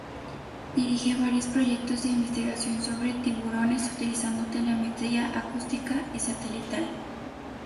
Dirige varios proyectos de investigación sobre tiburones utilizando telemetría acústica y satelital.